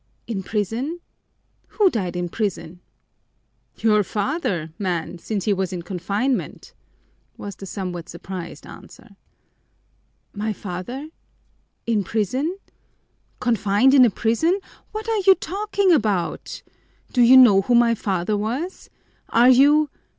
"In prison? Who died in prison?" "Your father, man, since he was in confinement," was the somewhat surprised answer. "My father in prison confined in a prison? What are you talking about? Do you know who my father was? Are you